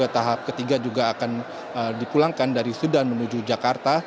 tahap ketiga juga akan dipulangkan dari sudan menuju jakarta